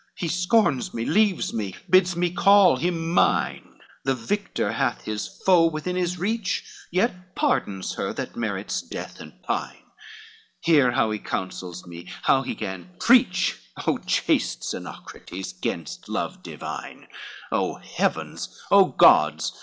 He scorns me, leaves me, bids me call him mine: The victor hath his foe within his reach; Yet pardons her, that merits death and pine; Hear how he counsels me; how he can preach, Like chaste Xenocrates, gainst love divine; O heavens, O gods!